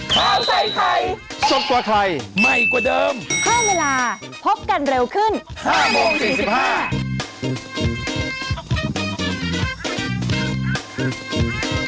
โปรดติดตามตอนต่อไป